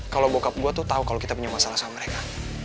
kalau boc up gue tuh tahu kalau kita punya masalah sama mereka